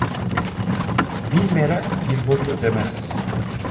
Bin merak, bir borç ödemez.